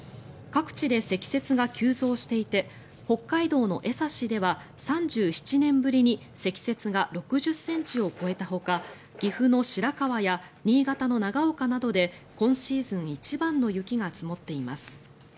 各地で積雪が急増していて北海道の江差では３７年ぶりに積雪が６０ｃｍを超えたほか岐阜の白川や新潟の長岡などで今シーズン一番の雪が積もっています。